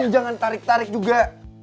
jangan tarik tarik juga